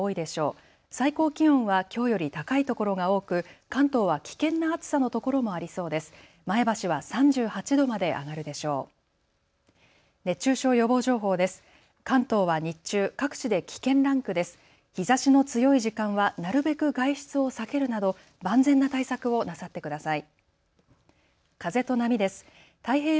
日ざしの強い時間はなるべく外出を避けるなど万全な対策をなさってください。